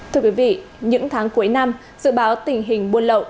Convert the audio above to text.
thưa quý vị những tháng cuối năm dự báo tình hình buôn lậu